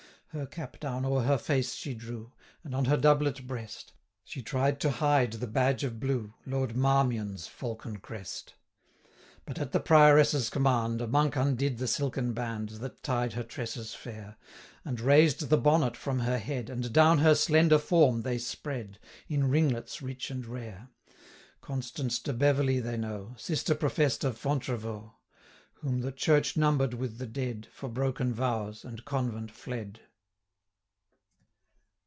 Her cap down o'er her face she drew; And, on her doublet breast, She tried to hide the badge of blue, Lord Marmion's falcon crest. 390 But, at the Prioress' command, A Monk undid the silken band That tied her tresses fair, And raised the bonnet from her head, And down her slender form they spread, 395 In ringlets rich and rare. Constance de Beverley they know, Sister profess'd of Fontevraud, Whom the Church number'd with the dead, For broken vows, and convent fled.